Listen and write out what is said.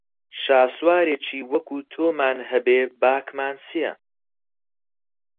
شاسوارێکی وەکوو تۆمان هەبێ باکمان چییە